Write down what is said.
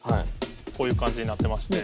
こういう感じになってまして。